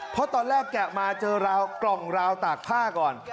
เพราะตอนแรกแกะมาเจอราวกล่องราวตากผ้าก่อน